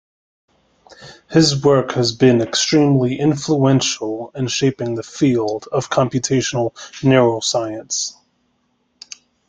His work has been extremely influential in shaping the field of computational neuroscience.